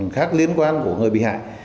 khác liên quan của người bị hại